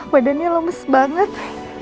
pokoknya lo mes banget